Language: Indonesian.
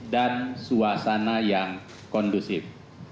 dan suasana yang kondusif